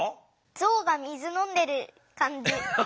ゾウが水のんでる感じ。